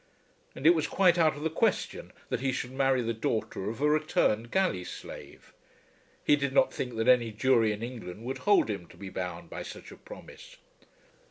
And it was quite out of the question that he should marry the daughter of a returned galley slave. He did not think that any jury in England would hold him to be bound by such a promise.